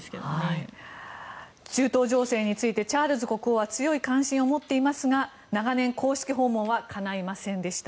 中東情勢についてチャールズ国王は強い関心を持っていますが長年、公式訪問はかないませんでした。